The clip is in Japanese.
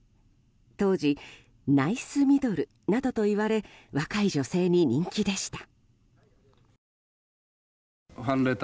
当時、ナイスミドルなどと言われ若い女性に人気でした。